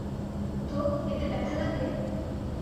তো, এতে ব্যথা লাগে?